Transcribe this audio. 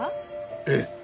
ええ。